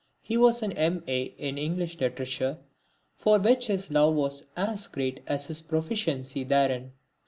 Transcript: He was an M. A. in English Literature for which his love was as great as his proficiency therein.